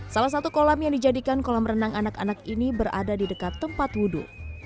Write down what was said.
salah satu kolam yang dijadikan kolam renang anak anak ini berada di dekat tempat wudhu